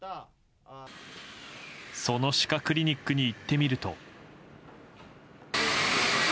その歯科クリニックに行ってみると。